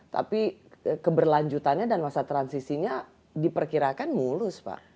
tapi keberlanjutannya dan masa transisinya diperkirakan mulus pak